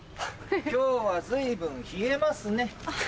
今日は随分冷えますね！